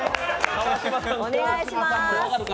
お願いします。